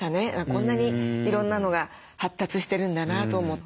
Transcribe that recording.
こんなにいろんなのが発達してるんだなと思って。